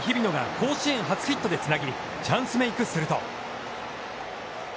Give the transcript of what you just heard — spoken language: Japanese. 今大会、初ヒットでつなぎチャンスメークをすると。